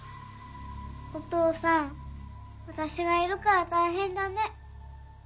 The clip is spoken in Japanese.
お父さん私がいるから大変だね。